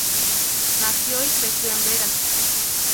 Nació y creció en Bera.